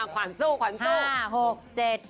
ขวานสู้ขวานสู้